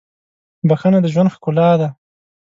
• بښنه د ژوند ښکلا ده.